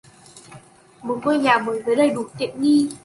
Một ngôi nhà mới với đầy đủ tiện nghi